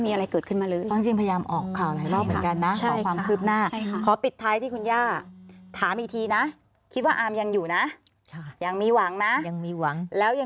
มันยังไม่มีอะไรเกิดขึ้นมาเลย